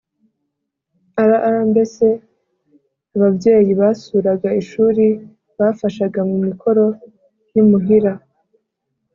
rr mbese ababyeyi basuraga ishuri bafashaga mu mikoro y imuhira